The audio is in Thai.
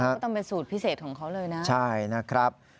ก็ต้องเป็นสูตรพิเศษของเขาเลยนะใช่นะครับ